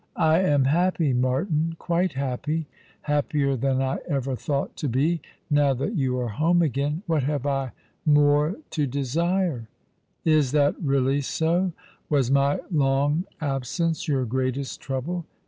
I am happy, Martin, quite happy, happier than I ever thought to be, now that you are home again. What have I more to desire ?"" Is that really so ? Was my long absence your greatest trouble